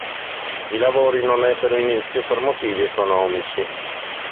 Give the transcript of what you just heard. I lavori non ebbero inizio per motivi economici.